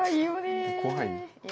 怖い？